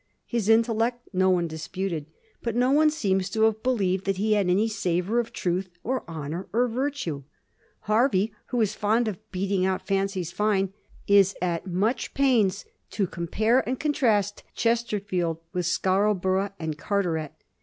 His intellect no one disputed, but no one seems to have believed that he had any savor of truth or honor or virtue. Hervey, who was fond of beating out fancies fine, is at much pains to compare and contrast Chesterfield with Scarbor ough and Carteret.